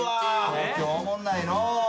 東京おもんないのう。